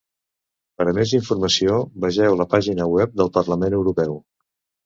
Per a més informació vegeu la pàgina web del Parlament Europeu.